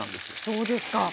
そうですか。